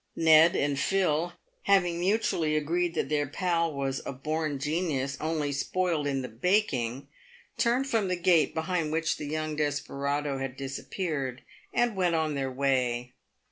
Ned and Phil, having mutually agreed that their pal was " a born genius, only spoiled in the baking," turned from the gate behind which the young desperado had disappeared, and went on their way.